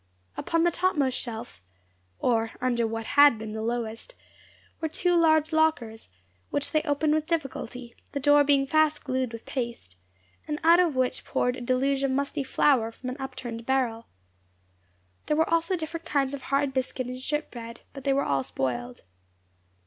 Upon the topmost shelf (or under what had been the lowest) were two large lockers, which they opened with difficulty, the door being fast glued with paste, and out of which poured a deluge of musty flour from an upturned barrel. There were also different kinds of hard biscuit and ship bread, but they were all spoiled.